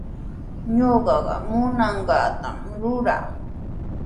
Ñuqaqa munanqaatami ruraa.